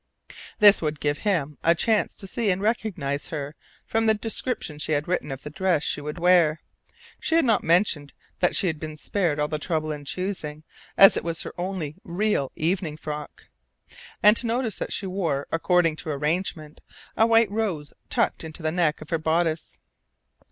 This would give him a chance to see and recognize her from the description she had written of the dress she would wear (she had not mentioned that she'd be spared all trouble in choosing, as it was her only real evening frock), and to notice that she wore, according to arrangement, a white rose tucked into the neck of her bodice.